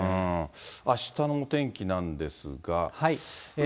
あしたのお天気なんですが。